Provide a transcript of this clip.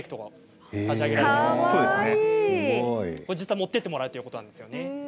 実際、持って行ってもらうということなんですね。